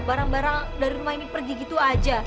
barang barang dari rumah ini pergi gitu aja